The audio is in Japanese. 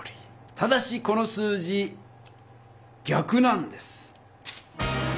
ただしこの数字ぎゃくなんです。